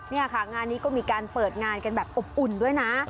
นี่ค่ะงานนี้ก็มีการเปิดงานกันแบบอบอุ่นด้วยนะ